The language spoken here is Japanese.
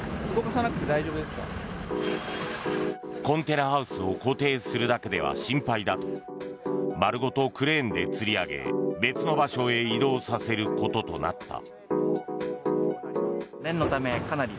コンテナハウスを固定するだけでは心配だと丸ごとクレーンでつり上げ別の場所へ移動させることとなった。